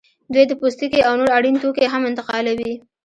دوی د پوستکي او نور اړین توکي هم انتقالوي